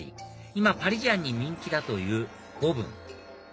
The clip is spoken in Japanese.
今パリジャンに人気だというボブン